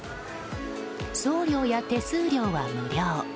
送料や手数料は無料。